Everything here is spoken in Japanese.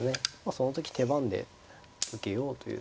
その時手番で受けようというとこですかね。